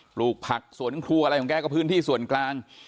ลูกผักสวนครัวอะไรของแกก็พื้นที่ส่วนกลาง